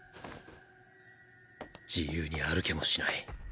自由に歩けもしない。